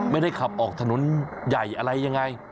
ไม่ได้ขับออกถนนใหญ่อะไรยังไง